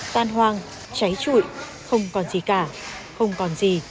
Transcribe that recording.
tan hoang cháy trụi không còn gì cả không còn gì